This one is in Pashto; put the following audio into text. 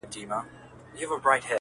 نن څراغه لمبې وکړه پر زړګي مي ارمانونه.!